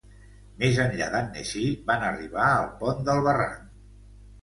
Més enllà d'Annecy, van arribar al pont del barranc.